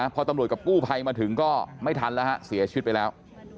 พอตำรวจกับกู้ภัยมาถึงก็ไม่ทันแล้วฮะเสียชีวิตไปแล้ว